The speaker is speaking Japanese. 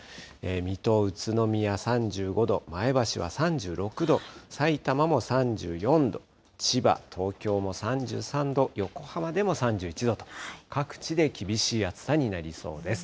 水戸、宇都宮３５度、前橋は３６度、さいたまも３４度、千葉、東京も３３度、横浜でも３１度と、各地で厳しい暑さとなりそうです。